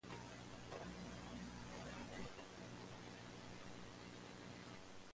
It will be managed by Lucas Jones and Sabrina Santiago.